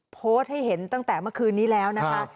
โพสต์ให้เห็นตั้งแต่เมื่อคืนนี้แล้วนะคะ